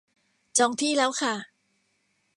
จองที่แล้วค่ะ